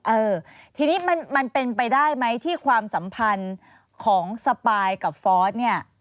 เออทีนี้มันเป็นไปได้ไหมที่ความสัมพันธ์ของสปายกับฟอสเนี่ย